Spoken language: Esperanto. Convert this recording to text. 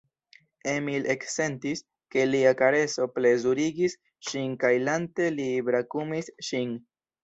Emil eksentis, ke lia kareso plezurigis ŝin kaj lante li brakumis ŝin.